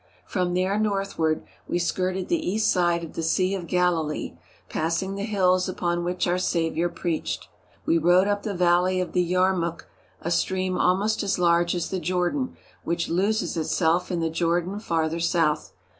From there northward we skirted the east side of the Sea of Galilee, passing the hills upon which our Saviour preached. We rode up the valley of the Yarmuk, a stream almost as large as the Jordan, which loses itself in the Jordan farther south.